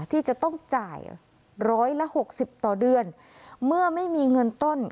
ที่จะต้องจ่ายร้อยละหกสิบต่อเดือนเมื่อไม่มีเงินต้น